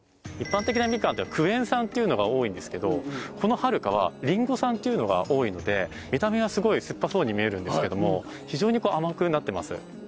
一般的なみかんっていうのはクエン酸っていうのが多いんですけどこのはるかはリンゴ酸っていうのが多いので見た目はすごい酸っぱそうに見えるんですけども非常に甘くなってます。